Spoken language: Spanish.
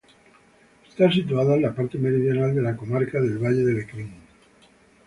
Está situada en la parte meridional de la comarca del Valle de Lecrín.